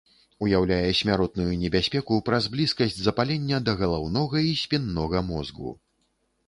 Уяўляе смяротную небяспеку праз блізкасць запалення да галаўнога і спіннога мозгу.